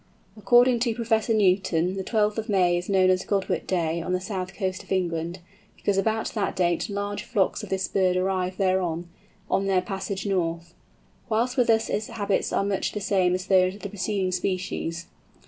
According to Professor Newton the 12th of May is known as "Godwit day" on the south coast of England, because about that date large flocks of this bird arrive thereon, on their passage north. Whilst with us its habits are much the same as those of the preceding species.